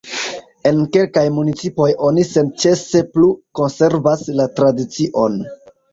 En kelkaj municipoj oni senĉese plu konservas la tradicion.